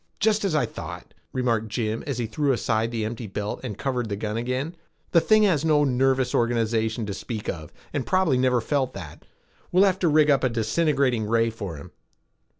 "Just as I thought," remarked Jim as he threw aside the empty belt and covered the gun again. "The thing has no nervous organization to speak of and probably never felt that. We'll have to rig up a disintegrating ray for him."